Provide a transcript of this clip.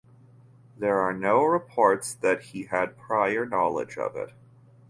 There are no reports that he had prior knowledge of it.